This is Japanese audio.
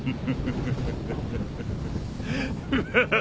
フハハハハ。